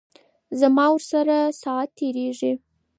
زما ورسره ساعت تیریږي.